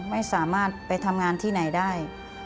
ไม่สามารถไปทำงานที่ไหนได้